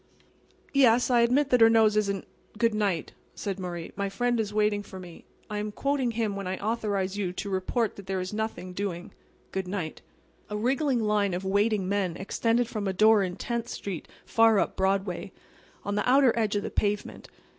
"Yes, I admit that her nose isn't"— "Good night!" said Murray. "My friend is waiting for me. I am quoting him when I authorize you to report that there is 'nothing doing.' Good night." A wriggling line of waiting men extended from a door in Tenth street far up Broadway, on the outer edge of the pavement.